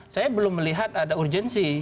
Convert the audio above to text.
saya belum melihat ada urgensi